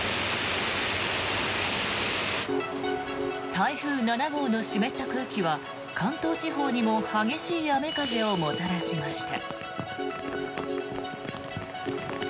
台風７号の湿った空気は関東地方にも激しい雨風をもたらしました。